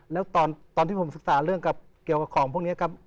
แล้วตอนที่ผมศึกษาเรื่องเกี่ยวกับของพวกนี้ครับ